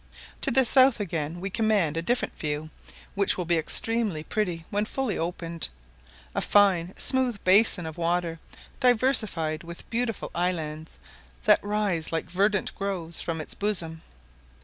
To the south again we command a different view, which will be extremely pretty when fully opened a fine smooth basin of water, diversified with beautiful islands, that rise like verdant groves from its bosom.